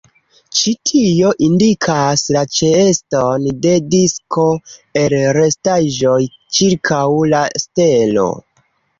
Ĉi tio indikas la ĉeeston de disko el restaĵoj ĉirkaŭ la stelo.